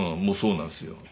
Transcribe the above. もうそうなんですよ。